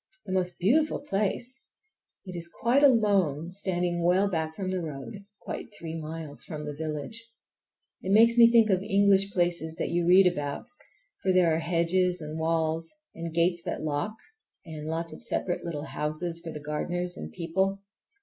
The most beautiful place! It is quite alone, standing well back from the road, quite three miles from the village. It makes me think of English places that you read about, for there are hedges and walls and gates that lock, and lots of separate little houses for the gardeners and people.